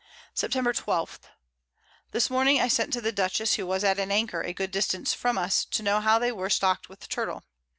Sept. 12. This Morning I sent to the Dutchess, who was at an Anchor a good distance from us, to know how they were stock'd with Turtle.